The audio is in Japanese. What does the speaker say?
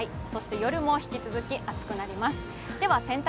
夜も引き続き暑くなります。